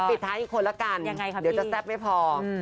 ปิดท้ายอีกคนละกันยังไงครับพี่เดี๋ยวจะแซ่บไม่พออืม